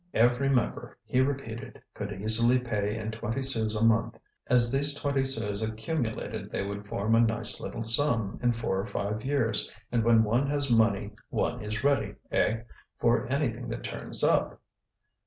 "Every member," he repeated, "could easily pay in twenty sous a month. As these twenty sous accumulated they would form a nice little sum in four or five years, and when one has money one is ready, eh, for anything that turns up?